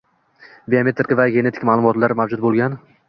biometrik va genetik ma’lumotlar mavjud bo‘lgan